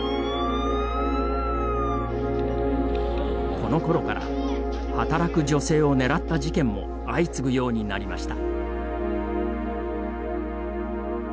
このころから働く女性を狙った事件も相次ぐようになりました。